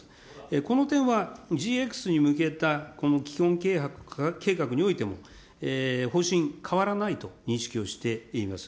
この点はＧＸに向けたこの基本計画においても、方針変わらないと認識をしています。